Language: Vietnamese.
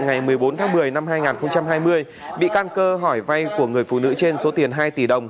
ngày một mươi bốn tháng một mươi năm hai nghìn hai mươi bị can cơ hỏi vay của người phụ nữ trên số tiền hai tỷ đồng